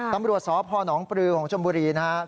ตำรวจสพนปลือของชมบุรีนะครับ